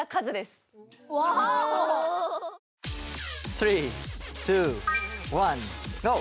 ３２１ゴー。